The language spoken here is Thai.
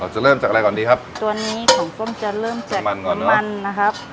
จะเริ่มจากอะไรก่อนดีครับตัวนี้ของส้มจะเริ่มจากมันก่อนน้ำมันมันนะครับ